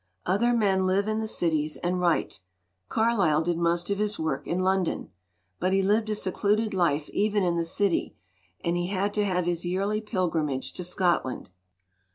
Other men live in the cities and write Carlyle did most of his work in London. But he lived a secluded life even in the city, and he had to have his yearly pilgrimage to Scotland."